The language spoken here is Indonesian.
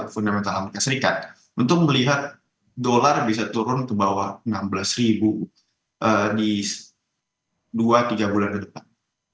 fundamental amerika serikat untuk melihat dolar bisa turun ke bawah enam belas ribu di dua tiga bulan ke depan